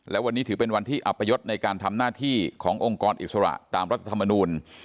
และวันนี้ถือเป็นวันที่อัพยศในการทำหน้าที่ขององค์กรอิสระตามรัฐธรรมนูล